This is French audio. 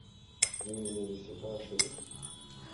Vous ne me laissez pas achever.